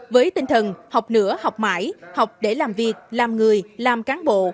với tinh thần học nửa học mãi học để làm việc làm người làm cán bộ